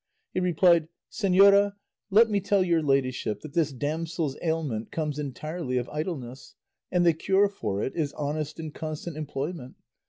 He replied, "Señora, let me tell your ladyship that this damsel's ailment comes entirely of idleness, and the cure for it is honest and constant employment.